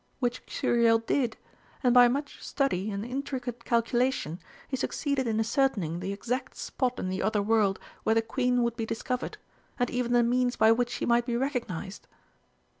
Which Xuriel did, and by much study and intricate calculation he succeeded in ascertaining the exact spot in the other world where the Queen would be discovered, and even the means by which she might be recognised."